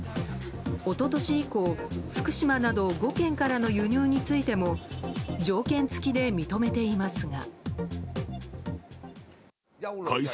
おととし以降、福島など５県からの輸入についても条件付きで認めていますが。